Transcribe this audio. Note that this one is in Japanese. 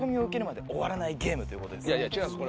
いやいや違うんです。